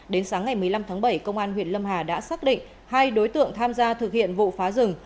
đến sáng ngày một mươi năm tháng bảy công an huyện lâm hà đã xác định hai đối tượng tham gia thực hiện vụ phá rừng